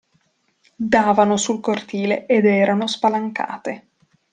Davano sul cortile ed erano spalancate.